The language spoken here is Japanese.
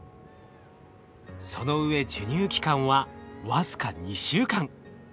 そのうえ授乳期間は僅か２週間。